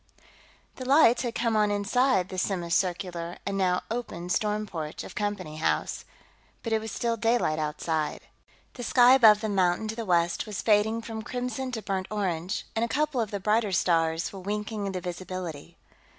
The lights had come on inside the semicircular and now open storm porch of Company House, but it was still daylight outside. The sky above the mountain to the west was fading from crimson to burnt orange, and a couple of the brighter stars were winking into visibility.